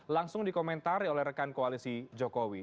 langsung dikomentari oleh rekan koalisi jokowi